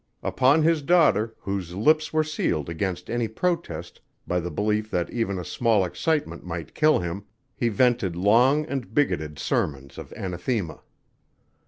Upon his daughter, whose lips were sealed against any protest by the belief that even a small excitement might kill him, he vented long and bigoted sermons of anathema.